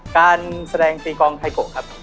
การแสดงตีกองไฮโกะครับ